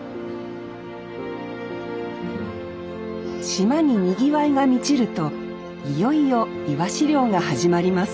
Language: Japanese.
島ににぎわいが満ちるといよいよイワシ漁が始まります